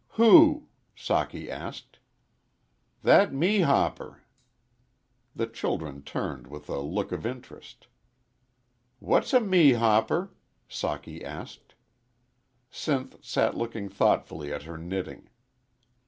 "Who?" Socky asked. "That mehopper." The children turned with a look of interest. "What's a mehopper?" Socky asked. Sinth sat looking thoughtfully at her knitting.